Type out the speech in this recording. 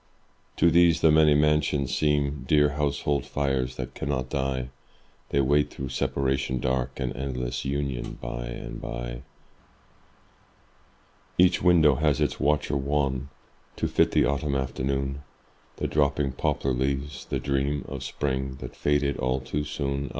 To these the many mansions seem Dear household fires that cannot die; They wait through separation dark An endless union by and by. Each window has its watcher wan To fit the autumn afternoon, The dropping poplar leaves, the dream Of spring that faded all too soon.